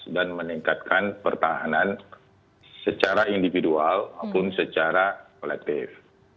dan meningkatkan pertahanan secara individual apun secara kolektif